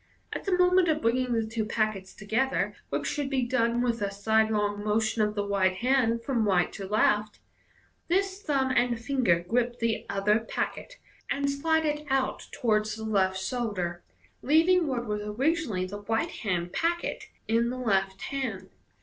At the moment of bringing the two packets together (which should be done with a sidelong motion of the right hand from right to left) this thumb and finger grip the other packet, and slide it out towards the left shoulder, leaving what was originally the right hand packet in the left hand.